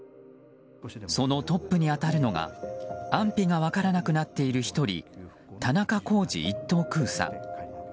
そのトップに当たるのが安否が分からなくなっている１人田中公司１等空佐。